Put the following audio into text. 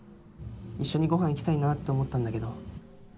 一緒にご飯行きたいなって思ったんだけど。